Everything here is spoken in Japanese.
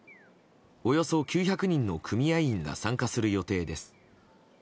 およそ９００人の組合員が参加する予定です。